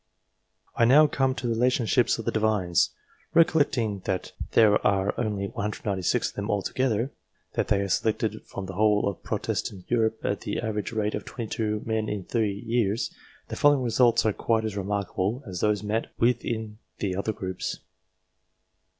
I now come to the relationships of the Divines. Recol lecting that there are only 196 of them altogether, that they are selected from the whole of Protestant Europe at the average rate of 2 men in 3 years, the following results are quite as remarkable as those met with in the other groups.